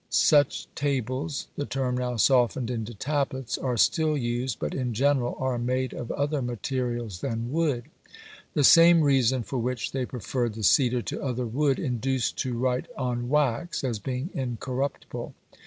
Such tables, the term now softened into tablets, are still used, but in general are made of other materials than wood. The same reason for which they preferred the cedar to other wood induced to write on wax, as being incorruptible.